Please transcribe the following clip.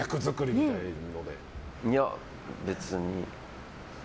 いや、別に。